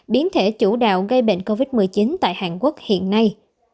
biến thể chủ đạo gây bệnh covid một mươi chín tại hàn quốc hiện nay